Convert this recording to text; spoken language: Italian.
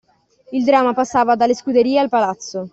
Il dramma passava dalle scuderie al palazzo.